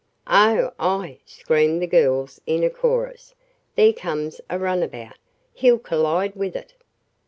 "Oh!" screamed the girls in a chorus. "There comes a runabout! He'll collide with it!"